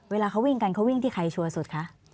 เวลาเขาวิ่งกันเขาวิ่งที่ใครชัวร์สุดคะ